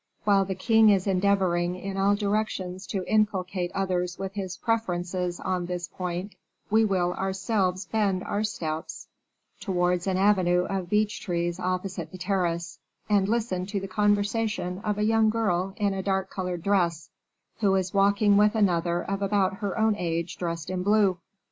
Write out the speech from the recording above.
While the king is endeavoring in all directions to inculcate others with his preferences on this point, we will ourselves bend our steps towards an avenue of beech trees opposite the terrace, and listen to the conversation of a young girl in a dark colored dress, who is walking with another of about her own age dressed in blue.